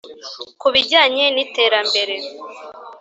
Ku bijyanye n iterambere